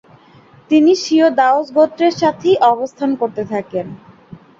তিনি স্বীয় দাওস গোত্রের সাথেই অবস্থান করতে থাকেন।